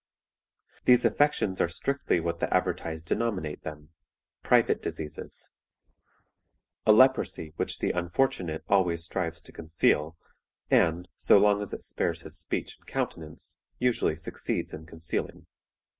"These affections are strictly what the advertisers denominate them, 'private diseases' a leprosy which the 'unfortunate' always strives to conceal, and, so long as it spares his speech and countenance, usually succeeds in concealing.